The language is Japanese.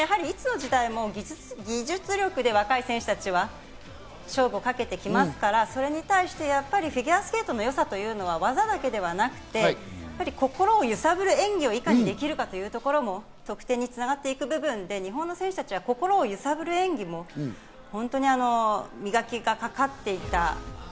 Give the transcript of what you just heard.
いつの時代も技術力で若い選手たちは、勝負をかけてきますから、それに対してフィギュアスケートのよさというのは技だけではなくて心を揺さぶる演技をいかにできるかというところも得点に繋がっていく部分で、日本の選手たちは心を揺さぶる演技も磨きがかかっていた。